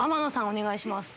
お願いします。